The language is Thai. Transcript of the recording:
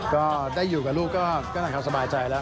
ก็ได้อยู่กับลูกก็สบายใจแล้ว